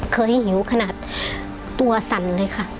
เคยหิวขนาดตัวสั่นเลยค่ะ